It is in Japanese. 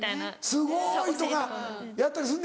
「すごい」とかやったりすんのやろ？